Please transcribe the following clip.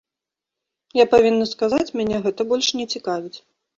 Я павінна сказаць, мяне гэта больш не цікавіць.